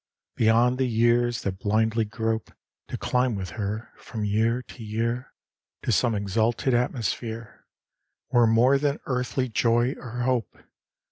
Beyond the years, that blindly grope, To climb with her, from year to year, To some exalted atmosphere, Were more than earthly joy or hope!